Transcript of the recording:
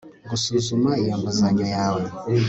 gusuzuma iyo nguzanyo yawe